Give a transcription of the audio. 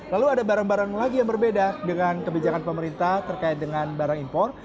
lalu ada barang barang lagi yang berbeda dengan kebijakan pemerintah terkait dengan barang impor